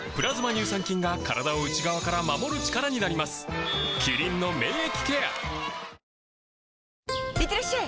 乳酸菌が体を内側から守る力になりますいってらっしゃい！